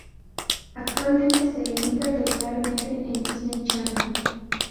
Actualmente se emite regularmente en Disney Channel.